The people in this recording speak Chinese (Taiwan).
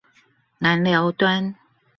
南寮端